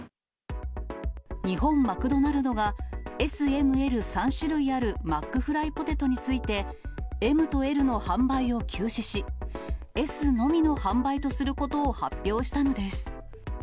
日本マクドナルドが、Ｓ、Ｍ、Ｌ３種類あるマックフライポテトについて、ＭとＬの販売を休止し、Ｓのみの販売とすることを発表したのです。